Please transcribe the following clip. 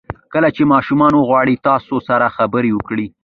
کله چې ماشومان وغواړي تاسو سره خبرې وکړي.